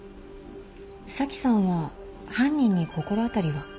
紗季さんは犯人に心当たりは？